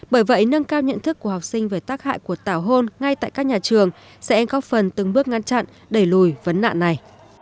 bởi vậy nâng cao nhận thức của học sinh về tác hại của tảo hôn ngay tại các nhà trường sẽ góp phần từng bước ngăn chặn đẩy lùi vấn nạn này